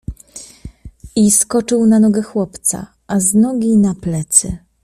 I skoczył na nogę chłopca, a z nogi na plecy.